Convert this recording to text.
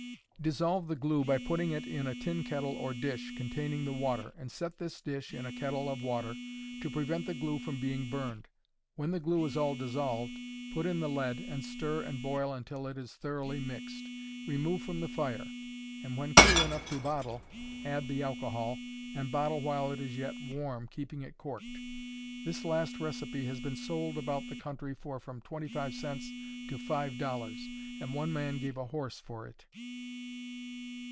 Dissolve the glue by putting it in a tin kettle or dish, containing the water, and set this dish in a kettle of water, to prevent the glue from being burned; when the glue is all dissolved, put in the lead and stir and boil until it is thoroughly mixed; remove from the fire, and when cool enough to bottle, add the alcohol, and bottle while it is yet warm, keeping it corked. This last recipe has been sold about the country for from twenty five cents to five dollars, and one man gave a horse for it.